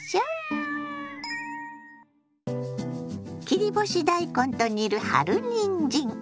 切り干し大根と煮る春にんじん。